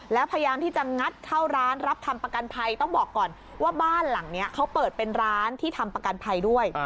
แล้วพยายามที่จะงัดเข้าร้านรับทำประกันภัยต้องบอกก่อนว่าบ้านหลังนี้เขาเปิดเป็นร้านที่ทำประกันภัยด้วย